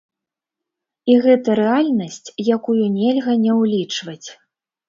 І гэта рэальнасць, якую нельга не ўлічваць.